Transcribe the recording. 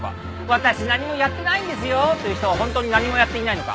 「私何もやってないんですよ」と言う人はホントに何もやっていないのか？